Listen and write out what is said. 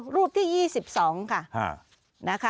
รูปที่๒๒ค่ะนะคะ